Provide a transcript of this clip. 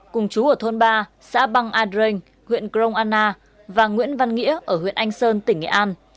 cùng chú ở thôn ba xã băng ad huyện krong anna và nguyễn văn nghĩa ở huyện anh sơn tỉnh nghệ an